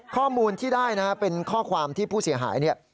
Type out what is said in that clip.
ข้อมูลที่ได้นะฮะเป็นข้อความที่ผู้เสียหายเนี่ย